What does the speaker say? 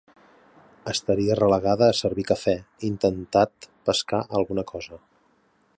Estaria relegada a servir cafè, intentat pescar alguna cosa.